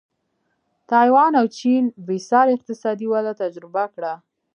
تایوان او چین بېسارې اقتصادي وده تجربه کړه.